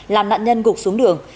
làm nạn nhân gục xuống đường